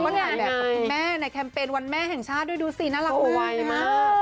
นี่ยังแบบคุณแม่ในแคมเปญวันแม่แห่งชาติด้วยดูสิน่ารักมากนะครับโอ้โฮ